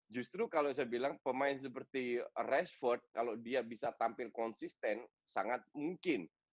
justru kalau saya bilang pemain seperti rashford kalau dia bisa tampil konsisten sangat mungkin